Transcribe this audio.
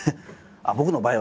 僕の場合は。